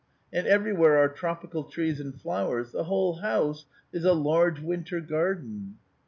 And everywhere are tropical trees and flowers ; the whole house is a large winter garden."